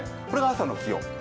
これが朝の気温。